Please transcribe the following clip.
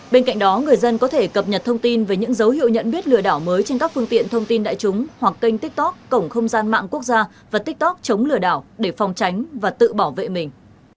bên cạnh đó người dân có thể cập nhật thông tin về những dấu hiệu nhận biết lừa đảo mới trên các phương tiện thông tin đại chúng hoặc kênh tiktok cổng không gian mạng quốc gia và tiktok chống lừa đảo để phòng tránh và tự bảo vệ mình